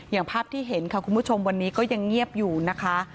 อย่างภาพที่เห็นค่ะคุณผู้ชมวันนี้ก็ยังเงียบอยู่นะคะ